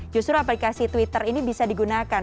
justru aplikasi twitter ini bisa digunakan